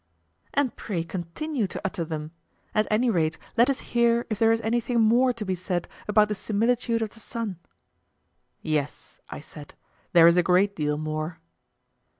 And pray continue to utter them; at any rate let us hear if there is anything more to be said about the similitude of the sun. Yes, I said, there is a great deal more.